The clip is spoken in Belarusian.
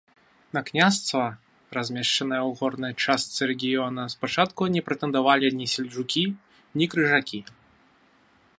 На княства, размешчанае ў горнай частцы рэгіёна, спачатку не прэтэндавалі ні сельджукі, ні крыжакі.